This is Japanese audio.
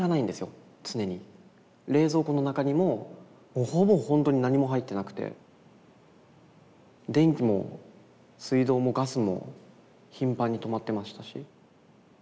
冷蔵庫の中にももうほぼほんとに何も入ってなくて電気も水道もガスも頻繁に止まってましたし。